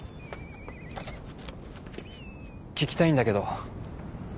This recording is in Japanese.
聞きたいんだけど。